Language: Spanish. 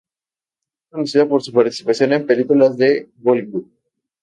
Es conocida por su participación en películas de Bollywood.